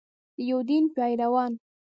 د یو دین پیروان.